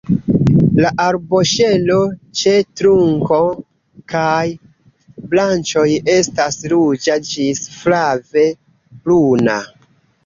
La arboŝelo ĉe trunko kaj branĉoj estas ruĝa ĝis flave bruna.